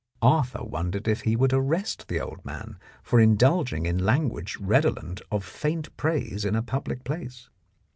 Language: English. Arthur won dered if he would arrest the old man for indulging in language redolent of faint praise in a public place.